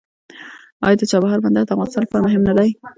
آیا د چابهار بندر د افغانستان لپاره مهم نه دی؟